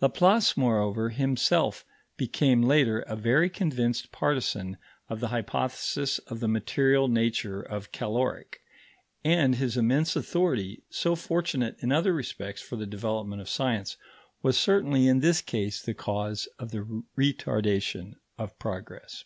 Laplace, moreover, himself became later a very convinced partisan of the hypothesis of the material nature of caloric, and his immense authority, so fortunate in other respects for the development of science, was certainly in this case the cause of the retardation of progress.